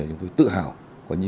rất dễ thuộc dễ nhớ